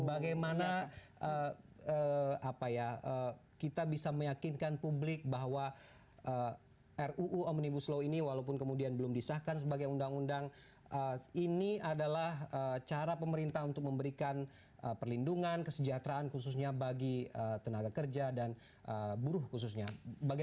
bagaimana apa ya kita bisa meyakinkan publik bahwa ruu omnibus law ini walaupun kemudian belum disahkan sebagai undang undang ini adalah cara pemerintah untuk memberikan perlindungan kesejahteraan khususnya bagi tenaga kerja dan buruh khususnya